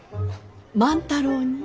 万太郎に？